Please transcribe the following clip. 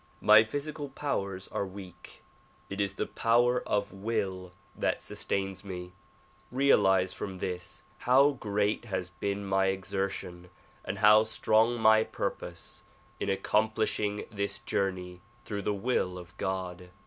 My physical powers are weak; it is the power of will that sustains nic. Realize from this how great has been my exertion and how strong my purpose in accomplishing this journey through the will of God.